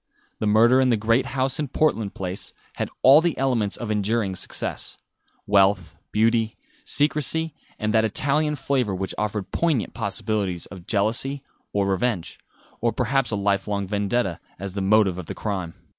The murder in the great house in Portland Place had all the elements of enduring success wealth, beauty, secrecy, and that Italian flavour which offered poignant possibilities of jealousy or revenge, or perhaps a life long vendetta, as the motive of the crime.